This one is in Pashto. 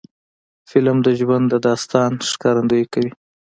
فلم د ژوند د داستان ښکارندویي کوي